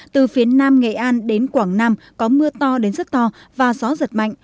từ phía nam nghệ an đến quảng nam có mưa to đến rất to và gió giật mạnh